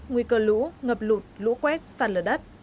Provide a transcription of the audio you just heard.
nguy cơ lũ ngập lụt lũ quét sạt lở đất